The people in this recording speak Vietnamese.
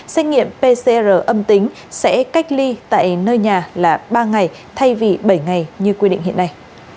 xét nghiệm pcr âm tính sẽ cách ly tại nơi nhà là ba ngày thay vì bảy ngày như quy định hiện nay